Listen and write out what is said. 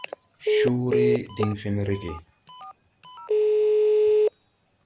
Coore diŋ fen rege.